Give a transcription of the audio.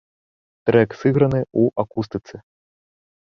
Трэк сыграны ў акустыцы.